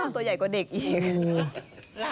ตัวใหญ่กว่าเด็กอีก